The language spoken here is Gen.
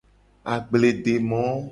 Agbledemo.